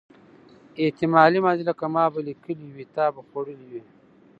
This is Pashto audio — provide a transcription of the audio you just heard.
احتمالي ماضي لکه ما به لیکلي وي او تا به خوړلي وي.